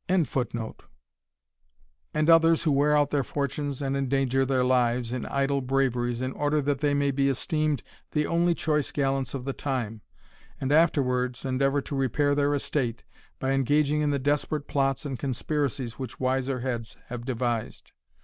] and others, who wear out their fortunes, and endanger their lives, in idle braveries, in order that they may be esteemed the only choice gallants of the time; and afterwards endeavour to repair their estate, by engaging in the desperate plots and conspiracies which wiser heads have devised.